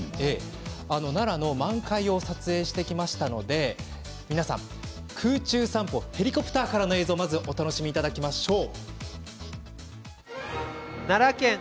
奈良の満開を撮影してきましたので皆さん、空中散歩ヘリコプターからの映像をお楽しみいただきましょう。